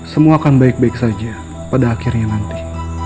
semua akan baik baik saja pada akhirnya nanti